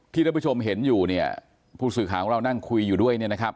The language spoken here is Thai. ท่านผู้ชมเห็นอยู่เนี่ยผู้สื่อข่าวของเรานั่งคุยอยู่ด้วยเนี่ยนะครับ